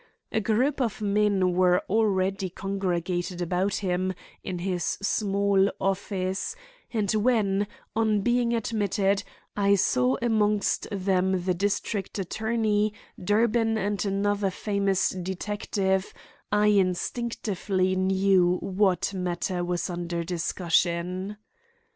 A group of men were already congregated about him in his small office, and when, on being admitted, I saw amongst them the district attorney, Durbin and another famous detective, I instinctively knew what matter was under discussion.